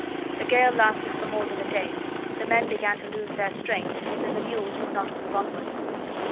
The gale lasted for more than a day; the men began to lose their strength, and the mules would not move onwards.